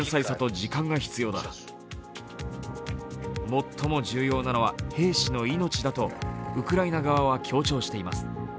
最も重要なのは兵士の命だとウクライナ側は強調しています。